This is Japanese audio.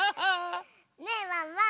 ねえワンワン！